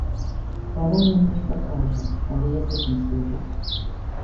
Палонны нешта кажа, але язык не служыць.